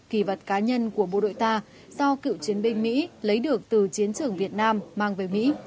kỳ vật cá nhân của bộ đội ta do cựu chiến binh mỹ lấy được từ chiến trường việt nam mang về mỹ